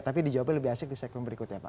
tapi dijawabnya lebih asik di segmen berikutnya pak